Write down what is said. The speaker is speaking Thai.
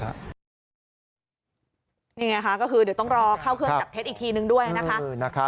นี่ไงค่ะก็คือเดี๋ยวต้องรอเข้าเครื่องจับเท็จอีกทีนึงด้วยนะคะ